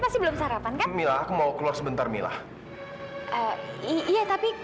pasti belum sarapan ke mila mau keluar sebentar mila iya tapi